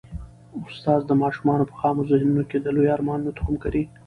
استاد د ماشومانو په خامو ذهنونو کي د لویو ارمانونو تخم کري.